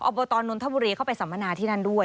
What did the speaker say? บนตนนทบุรีเข้าไปสัมมนาที่นั่นด้วย